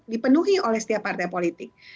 dipenuhi oleh setiap partai politik